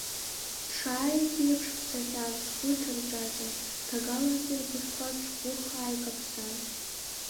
Бшааиз еиԥш бцахьан сгәы ҭарҷаҷан, ҭагалантәи абыӷьқәа ҿӷәыхаа икаԥсан.